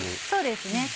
そうですね